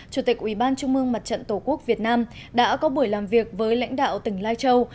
chủ tịch ủy ban trung mương mặt trận tổ quốc việt nam đã có buổi làm việc với lãnh đạo tỉnh lai châu